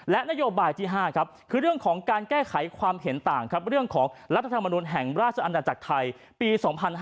และนโยบายที่๕ครับคือเรื่องของการแก้ไขความเห็นต่างครับเรื่องของรัฐธรรมนุนแห่งราชอาณาจักรไทยปี๒๕๕๙